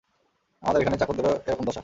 আমাদের এখানে চাকরদেরও এরকম দশা।